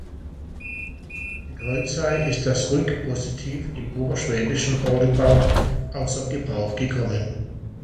Mit Holzhey ist das Rückpositiv im oberschwäbischen Orgelbau außer Gebrauch gekommen.